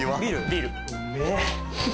ビール